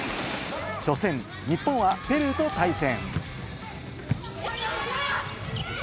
初戦、日本はペルーと対戦。